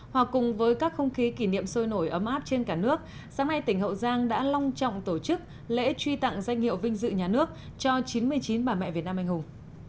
hòa cùng với các không khí kỷ niệm sôi nổi ấm áp trên cả nước sáng nay tỉnh hậu giang đã long trọng tổ chức lễ truy tặng danh hiệu vinh dự nhà nước cho chín mươi chín bà mẹ việt nam anh hùng